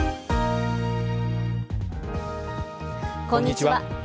こんにちは。